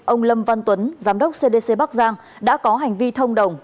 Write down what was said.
ông lâm văn tuấn giám đốc cdc bắc giang đã có hành vi thông đồng